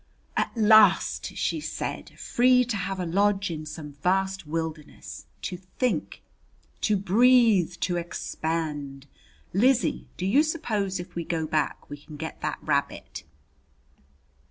"At last!" she said. "Free to have a lodge in some vast wilderness to think, to breathe, to expand! Lizzie, do you suppose if we go back we can get that rabbit?"